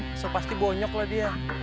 bisa pasti bonyok lah dia